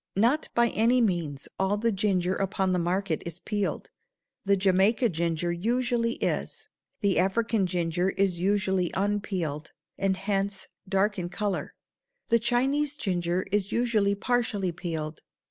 Not by any means all the ginger upon the market is peeled. The Jamaica ginger usually is; the African ginger is usually unpeeled, and hence dark in color; the Chinese ginger is usually partially peeled.